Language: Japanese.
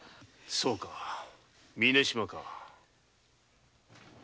そうか峯島か。